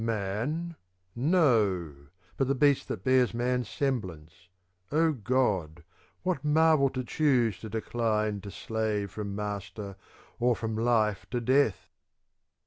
Man? no ! but the beast that bears man's semblance ; Oh God, what marvel to choose to decline to slave from master, or from life to death